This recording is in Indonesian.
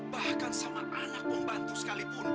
bahkan sama anak membantu sekalipun